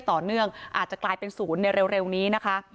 ต่อเนื่องอาจจะกลายเป็นศูนย์ในเร็วนี้นะคะ